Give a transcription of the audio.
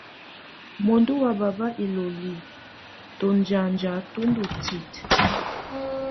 Muǝndú wá baba iloli, tɔnzanja tú ndɔ́ titǝ.